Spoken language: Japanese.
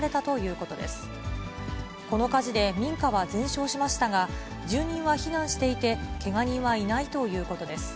この火事で民家は全焼しましたが、住人は避難していて、けが人はいないということです。